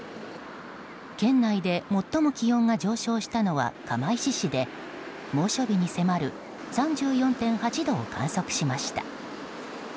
県内で最も気温が上昇したのは釜石市で猛暑日に迫る３４．８度を観測しました。